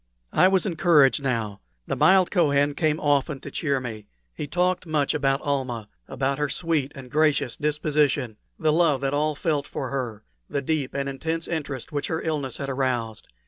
I was encouraged now. The mild Kohen came often to cheer me. He talked much about Almah about her sweet and gracious disposition, the love that all felt for her, the deep and intense interest which her illness had aroused.